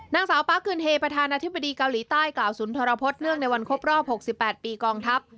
นางสาวปาร์คคืนเฮประธานาธิบดีเกาหลีใต้กล่าวศูนย์ทรพฤษเลือกในวันครบรอบ๖๘ปีกองทัพ